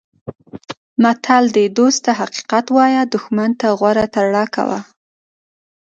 متل دی: دوست ته حقیقت وایه دوښمن ته غوره ترړه کوه.